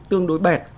tương đối bẹt